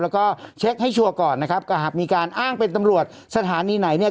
แล้วก็เช็คให้ชัวร์ก่อนนะครับก็หากมีการอ้างเป็นตำรวจสถานีไหนเนี่ย